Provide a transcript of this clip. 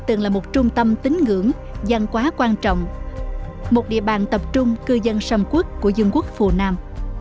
từng là một trung tâm tín ngưỡng văn hóa quan trọng một địa bàn tập trung cư dân xâm quốc của dân quốc phù nam